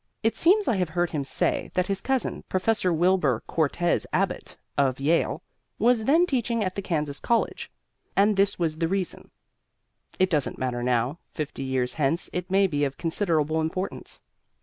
It seems I have heard him say that his cousin, Professor Wilbur Cortez Abbott (of Yale) was then teaching at the Kansas college, and this was the reason. It doesn't matter now; fifty years hence it may be of considerable importance.